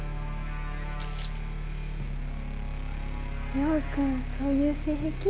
葉君そういう性癖？